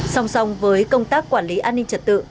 song song với công tác quản lý an ninh trật tự